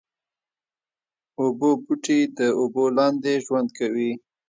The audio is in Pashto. اوبو بوټي د اوبو لاندې ژوند کوي